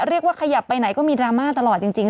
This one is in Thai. เรียกว่าขยับไปไหนก็มีดราม่าตลอดจริง